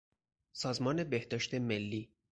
سازمان بهداشت ملی